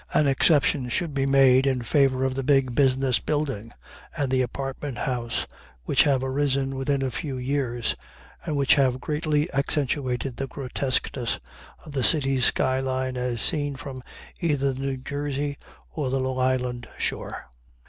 An exception should be made in favor of the big business building and the apartment house which have arisen within a few years, and which have greatly accentuated the grotesqueness of the city's sky line as seen from either the New Jersey or the Long Island shore.